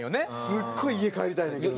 すごい家帰りたいねんけどな。